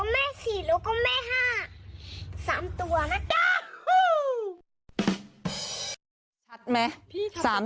แม่๖แล้วแม่๔แล้วก็แม่๕